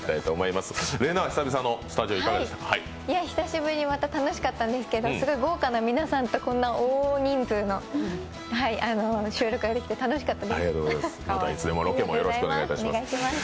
久しぶりに楽しかったんですけど豪華な皆さんと大人数の収録ができて楽しかったです。